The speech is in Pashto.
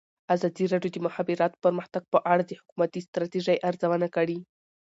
ازادي راډیو د د مخابراتو پرمختګ په اړه د حکومتي ستراتیژۍ ارزونه کړې.